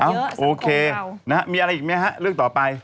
เอออาโอเคนะมีอะไรอีกไหมละเรื่องต่อไป